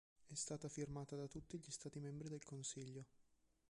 È stata firmata da tutti gli stati membri del Consiglio.